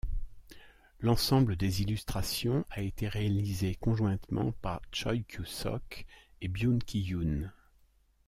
L'ensemble des illustrations a été réalisé conjointement par Choi Kyu-sok et Byun Ki-hyun.